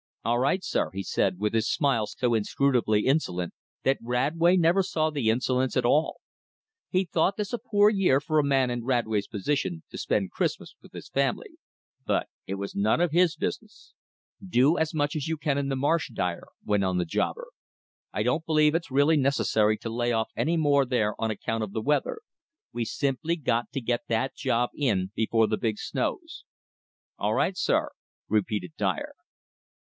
"All right, sir," said he with his smile so inscrutably insolent that Radway never saw the insolence at all. He thought this a poor year for a man in Radway's position to spend Christmas with his family, but it was none of his business. "Do as much as you can in the marsh, Dyer," went on the jobber. "I don't believe it's really necessary to lay off any more there on account of the weather. We've simply got to get that job in before the big snows." "All right, sir," repeated Dyer.